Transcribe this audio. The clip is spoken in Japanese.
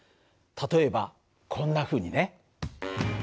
例えばこんなふうにね。